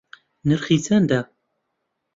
نرخەکەی چەندە؟